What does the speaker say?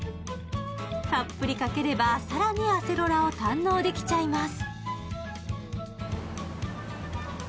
たっぷりかければ更にアセロラを堪能できちゃいます。